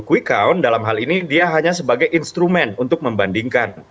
quick count dalam hal ini dia hanya sebagai instrumen untuk membandingkan